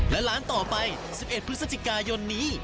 และร้านต่อไป๑๑พฤศจิกายนนี้